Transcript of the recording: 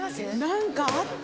何かあった。